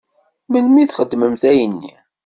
Melmi i k-xedment ayenni?